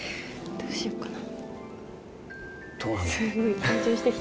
どうしようかな。